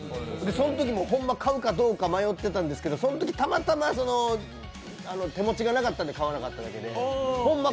そのときも買うかどうか迷ってたんですけどそのときたまたま手持ちがなかったので買わなかっただけで、ホンマ、